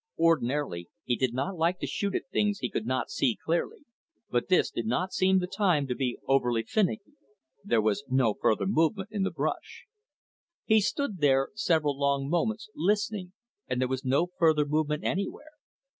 Ordinarily he did not like to shoot at things he could not see clearly, but this did not seem the time to be overly finicky. There was no further movement in the brush. He stood there several long moments, listening, and there was no further movement anywhere.